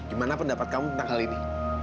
gimana pendapat kamu tentang hal ini